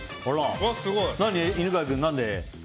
犬飼君、何で？